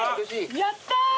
やった。